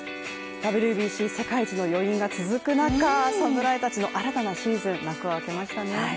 ＷＢＣ世界一の余韻が続く中、侍たちの新たなシーズン、幕を開けましたね。